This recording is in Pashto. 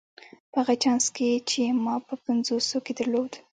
په هغه چانس کې چې ما په پنځوسو کې درلود.